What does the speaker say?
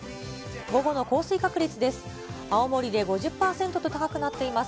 午後の降水確率です。